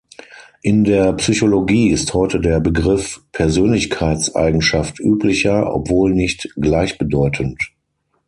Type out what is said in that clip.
In der Psychologie ist heute der Begriff Persönlichkeitseigenschaft üblicher, obwohl nicht gleichbedeutend.